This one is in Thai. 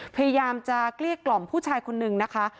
พยายามจะเกลี้ยกล่อมผู้ชายคนนึงนะคะ